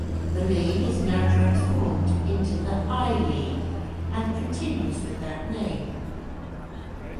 The league is now transformed into the I-League and continues with that name.